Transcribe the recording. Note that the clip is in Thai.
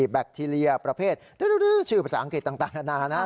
แคคทีเรียประเภทชื่อภาษาอังกฤษต่างนานานะ